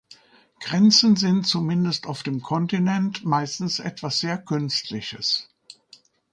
Grenzen sind zumindest auf dem Kontinent meistens etwas sehr Künstliches.